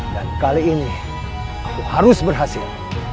dan kali ini aku harus berhasil